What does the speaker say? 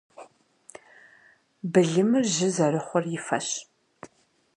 Былымыр жьы зэрыхъур и фэщ.